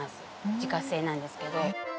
自家製なんですけど。